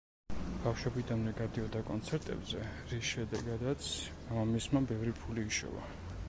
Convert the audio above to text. ბავშვობიდანვე გადიოდა კონცერტებზე რის შედეგადაც მამამისმა ბევრი ფული იშოვა.